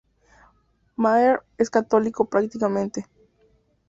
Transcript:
Maher es católico practicante.